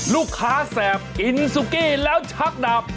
ลูกค้าแสบอินซุกี้แล้วชักดาบ